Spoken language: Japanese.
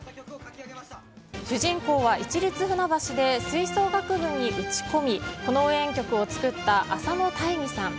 主人公は市立船橋で吹奏楽部に打ち込みこの応援曲を作った浅野大義さん。